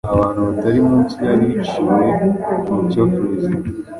Abantu batari munsi ya biciwe mu cyo Perezida